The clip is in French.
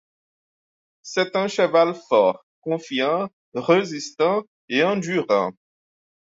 C'est un cheval fort, confiant, résistant et endurant.